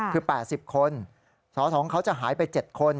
คือ๘๐คนสสเขาจะหายไป๗คน